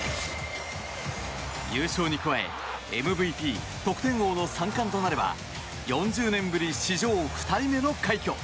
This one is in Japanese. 優勝に加えＭＶＰ、得点王の３冠となれば４０年ぶり史上２人目の快挙。